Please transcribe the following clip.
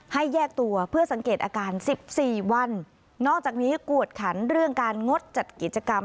ให้แยกตัวเพื่อสังเกตอาการสิบสี่วันนอกจากนี้กวดขันเรื่องการงดจัดกิจกรรม